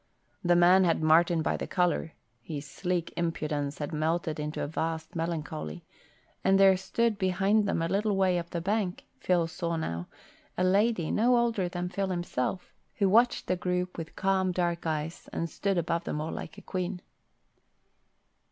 The man had Martin by the collar (his sleek impudence had melted into a vast melancholy), and there stood behind them a little way up the bank, Phil now saw, a lady no older than Phil himself, who watched the group with calm, dark eyes and stood above them all like a queen.